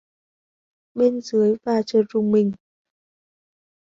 bên dưới và chợt rùng mình